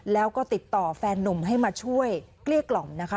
แล้วก็ติดต่อแฟนนุ่มให้มาช่วยเกลี้ยกล่อมนะคะ